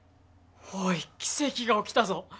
おい奇跡が起きたぞおっ？